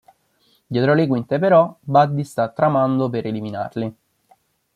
Dietro le quinte, però, Buddy sta tramando per eliminarli.